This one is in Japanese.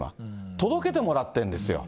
届けてもらってんですよ。